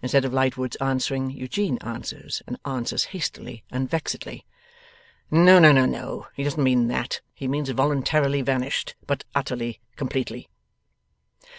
Instead of Lightwood's answering, Eugene answers, and answers hastily and vexedly: 'No, no, no; he doesn't mean that; he means voluntarily vanished but utterly completely.